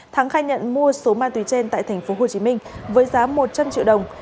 thắng khai nhận mua số ma túy trên tại tp hcm với giá một trăm linh triệu đồng